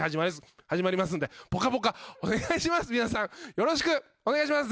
よろしくお願いします。